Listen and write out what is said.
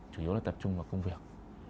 chủ yếu là tập trung vào công việc